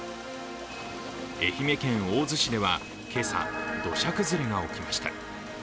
愛媛県大洲市では今朝、土砂崩れが起きました。